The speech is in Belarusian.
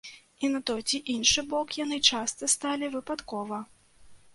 І на той ці іншы бок яны часта сталі выпадкова.